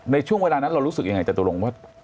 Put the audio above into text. ในช่วงเวลานั้นเรารู้สึกยังไงจตุรงว่า